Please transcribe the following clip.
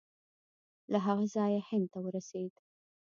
له هغه ځایه هند ته ورسېد.